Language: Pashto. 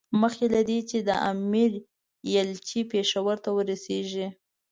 مخکې له دې چې د امیر ایلچي پېښور ته ورسېږي.